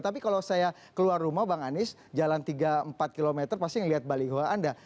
tapi kalau saya keluar rumah bang anies jalan tiga empat km pasti ngeliat baliho anda